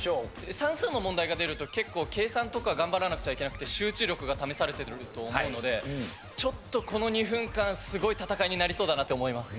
算数の問題が出ると結構計算とか頑張らなくちゃいけなくて集中力が試されてくると思うのでちょっとこの２分間すごい戦いになりそうだなって思います。